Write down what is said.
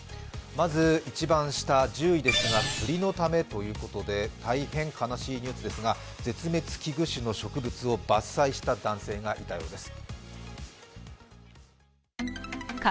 一番下、１０位ですが釣りのためということで大変悲しいニュースですが、絶滅危惧種の植物を伐採した男性がいたようです。